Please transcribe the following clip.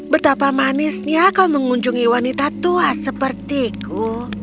betapa manisnya kau mengunjungi wanita tua sepertiku